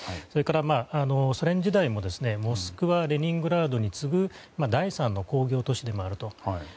それから、ソ連時代もモスクワ、レニングラードに次ぐ第３の工業都市でもあると。